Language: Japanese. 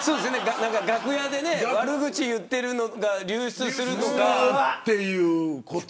楽屋で悪口言ってるのが流出するとか。